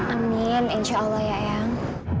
amin insya allah ya yang